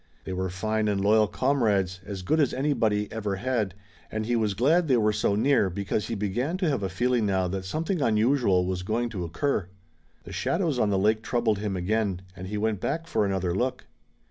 They were fine and loyal comrades, as good as anybody ever had, and he was glad they were so near, because he began to have a feeling now that something unusual was going to occur. The shadows on the lake troubled him again, and he went back for another look.